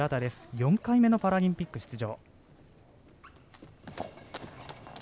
４回目のパラリンピック出場。